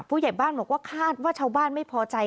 ผู้ใหญ่บ้านบอกว่าคาดว่าชาวบ้านไม่พอใจ